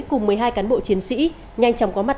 cùng một mươi hai cán bộ chiến sĩ nhanh chóng có mặt